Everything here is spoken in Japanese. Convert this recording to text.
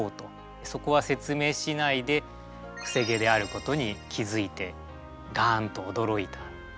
そこは説明しないでくせ毛であることに気付いて「ガーン」と驚いたという。